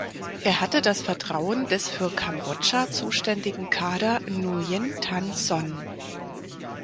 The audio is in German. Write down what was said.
Er hatte das Vertrauen des für Kambodscha zuständigen Kader Nguyen Thanh Son.